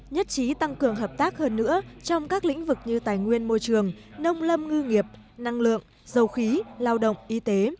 nhất trí tăng cường hợp tác hơn nữa trong các lĩnh vực như tài nguyên môi trường nông lâm ngư nghiệp năng lượng dầu khí lao động y tế